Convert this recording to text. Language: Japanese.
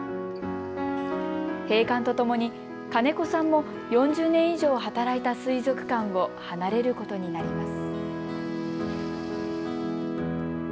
閉館とともに金子さんも４０年以上働いた水族館を離れることになります。